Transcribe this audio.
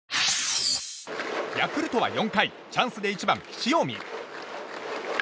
ヤクルトは４回チャンスで１番、塩見。